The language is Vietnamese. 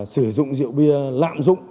sử dụng rượu bia lạm dụng